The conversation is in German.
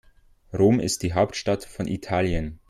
Rom ist die Hauptstadt von Italien.